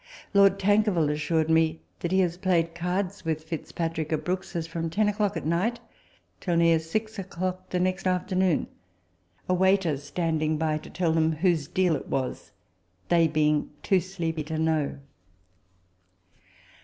Lord Tanker ville assured me that he has played cards with Fitzpatrick at Brookes' s from ten o'clock at night till near six o'clock the next afternoon, a waiter standing by to tell them " whose deal it was," they being too sleepy to know.